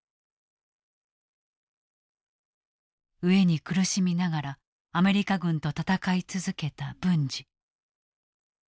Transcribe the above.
餓えに苦しみながらアメリカ軍と戦い続けた文次。